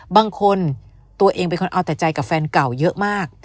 บางคนตัวเองเป็นคนเอาแต่ใจกับแฟนเก่าเยอะมาก